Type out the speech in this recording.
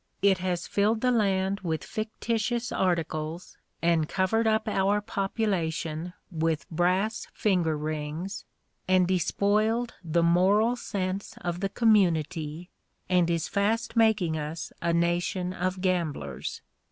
It has filled the land with fictitious articles and covered up our population with brass finger rings, and despoiled the moral sense of the community, and is fast making us a nation of gamblers.